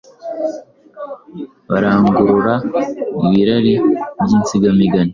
barangurura ibirari by’insigamigani,